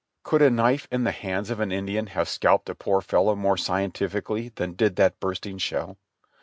Could a knife in the hands of an Indian have scalped a poor fellow more scientifically than did that bursting shell?